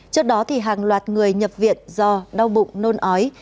trước đó hàng loạt người nhập viện do đau bụng nôn ói